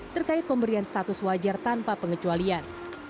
terkait pemberian status wajar tanpa pengecualian